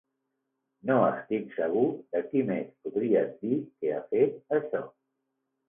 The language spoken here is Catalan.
No estic segur de qui més podries dir que ha fet això.